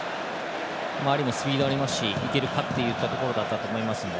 アリもスピードありますしいけるかというところだったと思います。